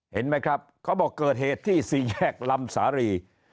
เห็นไหมครับเขาบอกเกิดเหตุที่สี่แยกลำสารี